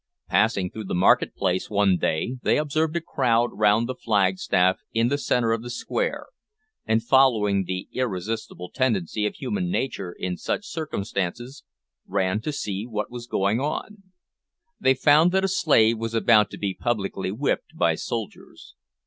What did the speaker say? Passing through the market place one day, they observed a crowd round the flag staff in the centre of the square, and, following the irresistible tendency of human nature in such circumstances, ran to see what was going on. They found that a slave was about to be publicly whipped by soldiers.